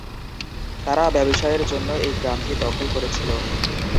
তারা ব্যবসায়ের জন্য এই গ্রামটি দখল করেছিল।